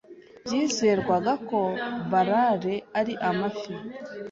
Byizerwaga ko balale ari amafi.